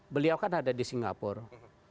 beliau kan ada di singapura